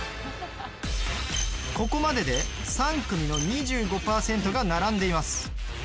ここまでで３組の２５％が並んでいます。